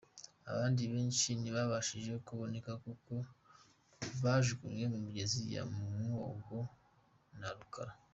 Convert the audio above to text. Abandi benshi ntibabashije kuboneka kuko bajugunywe mu migezi ya Mwogo na Rukarara.